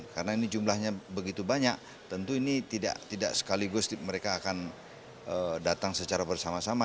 karena ini jumlahnya begitu banyak tentu ini tidak sekaligus mereka akan datang secara bersama sama